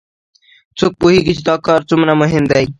څوک پوهیږي چې دا کار څومره مهم ده